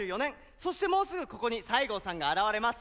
そしてもうすぐここに西郷さんが現れます。